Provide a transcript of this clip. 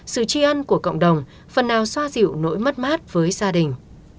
sự tri ân của cộng đồng phần nào xoa dịu nỗi mất mát với gia đình